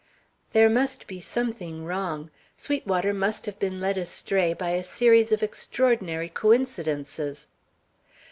There must be something wrong. Sweetwater must have been led astray by a series of extraordinary coincidences.